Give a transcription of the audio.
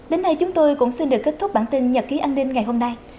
đến nay chúng tôi cũng xin được kết thúc bản tin nhật ký an ninh ngày hôm nay